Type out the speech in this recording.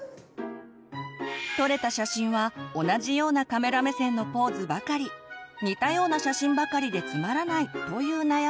撮れた写真は同じようなカメラ目線のポーズばかり似たような写真ばかりでつまらないという悩みも。